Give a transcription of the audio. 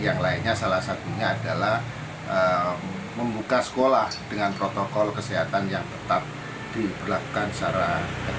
yang lainnya salah satunya adalah membuka sekolah dengan protokol kesehatan yang tetap diberlakukan secara ketat